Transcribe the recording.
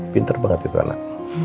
pinter banget itu anak